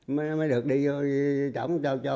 mới được đi chôn cất đó